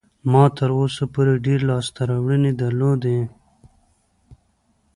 ما تر اوسه پورې ډېرې لاسته راوړنې درلودې.